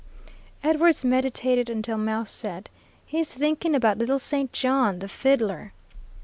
Edwards meditated until Mouse said, "He's thinking about little St. John, the fiddler."